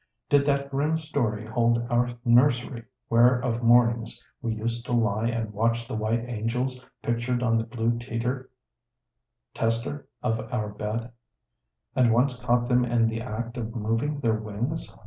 Did that grim story hold our nursery, where of mornings we used to lie and watch the white angels pictured on the blue tester of our bed, and once caught them in the act of moving their wings?